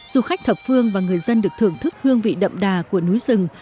du khách thập phương và người dân được thưởng thức hương vị đậm đà của núi rừng